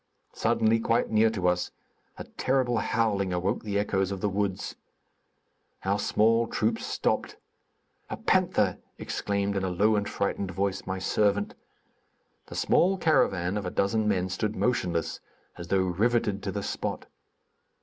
Suddenly, quite near to us, a terrible howling awoke the echoes of the woods. Our small troop stopped. "A panther!" exclaimed, in a low and frightened voice, my servant. The small caravan of a dozen men stood motionless, as though riveted to the spot.